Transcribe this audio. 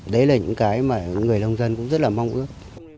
đấy là những cái mà người nông dân cũng rất là mong ước